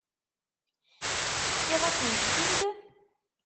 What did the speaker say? Tefkiḍ-asent-t-id.